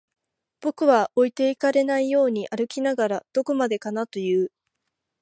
僕は置いてかれないように歩きながら、どこまでかなと言う